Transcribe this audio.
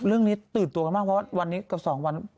เรื่องนี้ตื่นตัวกันมากเพราะว่าวันนี้กับ๒วัน